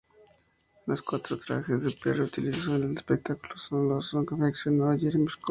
Los cuatro trajes que Perry utilizó en el espectáculo los confeccionó Jeremy Scott.